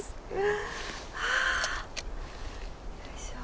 あよいしょ。